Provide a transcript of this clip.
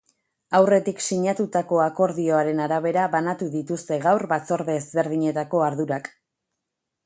Aurretik sinatutako akordioaren arabera banatu dituzte gaur batzorde ezberdinetako ardurak.